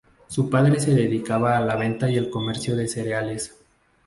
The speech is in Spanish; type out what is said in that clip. Su padre se dedicaba a la venta y el comercio de cereales.